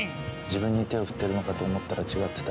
自分に手を振ってるのかと思ったら違ってた。